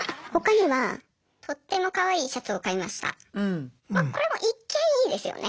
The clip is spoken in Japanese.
まこれも一見いいですよね。